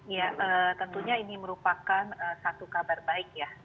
ya tentunya ini merupakan satu kabar baik ya